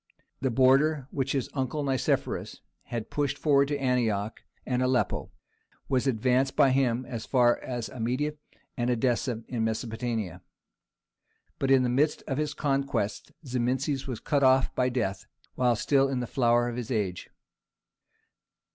The border which his uncle Nicephorus had pushed forward to Antioch and Aleppo was advanced by him as far as Amida and Edessa in Mesopotamia. But in the midst of his conquests Zimisces was cut off by death, while still in the flower of his age.